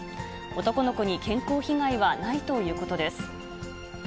男の子に健康被害はないということです。